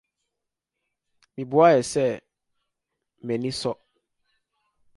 Mibuae sɛ: M’ani sɔ.